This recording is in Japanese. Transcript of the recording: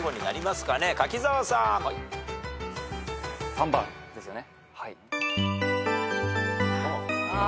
３番ですよね？